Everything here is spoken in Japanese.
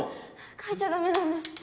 描いちゃダメなんです。